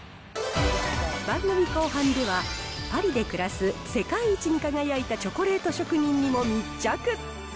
番組後半では、パリで暮らす世界一に輝いたチョコレート職人にも密着。